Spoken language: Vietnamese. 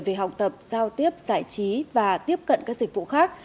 về học tập giao tiếp giải trí và tiếp cận các dịch vụ khác